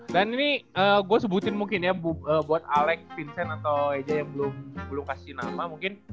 dan ini gue sebutin mungkin ya buat alex vincent atau eja yang belum kasih nama mungkin